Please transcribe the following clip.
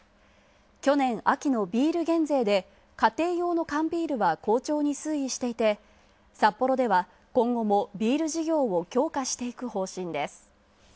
去年秋のビール減税で家庭用の缶ビールが好調に推移していてサッポロでは今後もビール事業を強化していく方針です。